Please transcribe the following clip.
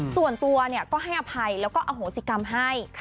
ส่วนตัวก็ให้อภัยแล้วก็อโหสิกรรมให้